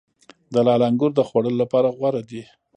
د لعل انګور د خوړلو لپاره غوره دي.